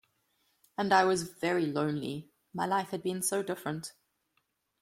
And I was very lonely — my life had been so different.